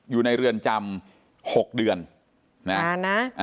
อยู่ในเรือนจำ๖เดือนนานนะ